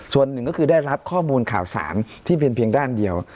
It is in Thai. ส่วนหนึ่งก็คือได้รับข้อมูลข่าวสารที่เพียงด้านเดียว